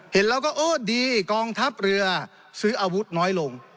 เห็นแล้วก็โอ้ดีกองทัพเรือซื้ออาวุธน้อยลง